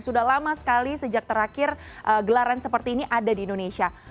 sudah lama sekali sejak terakhir gelaran seperti ini ada di indonesia